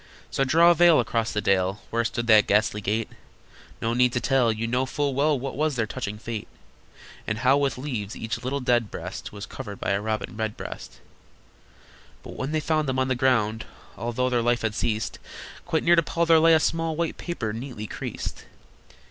So draw a veil across the dale Where stood that ghastly gate. No need to tell. You know full well What was their touching fate, And how with leaves each little dead breast Was covered by a Robin Redbreast! But when they found them on the ground, Although their life had ceased, Quite near to Paul there lay a small White paper, neatly creased.